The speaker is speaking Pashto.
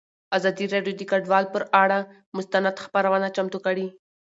ازادي راډیو د کډوال پر اړه مستند خپرونه چمتو کړې.